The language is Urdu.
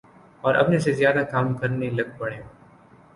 اوراپنے سے زیادہ کام کرنے لگ پڑیں۔